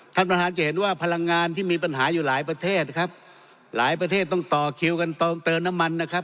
ท่านประธานจะเห็นว่าพลังงานที่มีปัญหาอยู่หลายประเทศครับหลายประเทศต้องต่อคิวกันเติมเติมน้ำมันนะครับ